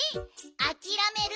あきらめる？